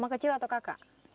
kasih ini atau kakak